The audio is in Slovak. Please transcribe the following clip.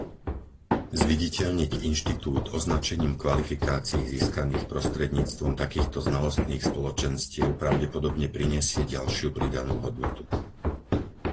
Zviditeľniť inštitút označením kvalifikácií získaných prostredníctvom takýchto znalostných spoločenstiev pravdepodobne prinesie ďalšiu pridanú hodnotu.